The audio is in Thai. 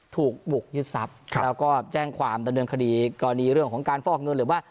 ถูกบุกยึดทรัพย์แล้วก็แจ้งความดำเนินคดีกรณีเรื่องของการฟอกเงินหรือว่า